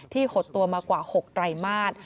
หดตัวมากว่า๖ไตรมาส